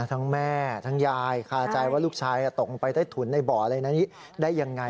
ทั้งแม่ทั้งยายคาใจว่าลูกชายตกลงไปใต้ถุนในบ่ออะไรนะนี้ได้ยังไง